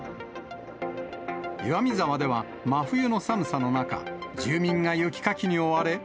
岩見沢では真冬の寒さの中、住民が雪かきに追われ。